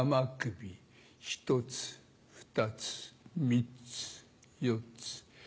１つ２つ３つ４つ。